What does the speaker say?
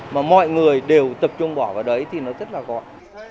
mà mọi người đều tập trung bỏ vào đấy thì nó rất là gọn